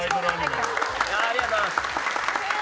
ありがとうございます。